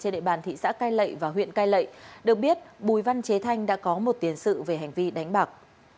được biết bùi văn chế thanh đã có một tiến sự về hành vi đánh bạc